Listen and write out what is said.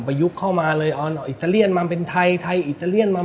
พูดถึงเมนูอาหารของทางร้านดีกว่า